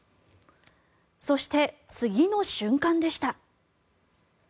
そして、次の瞬間でした。